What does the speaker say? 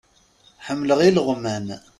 Ḥemmleɣ ileɣman.